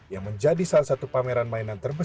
yang menjadi salah satu pameran di indonesia